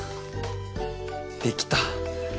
できた。